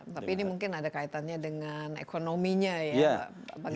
tapi ini mungkin ada kaitannya dengan ekonominya ya